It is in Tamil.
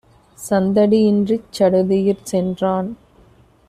சந்தடி யின்றிச் சடுதியிற் சென்றான்.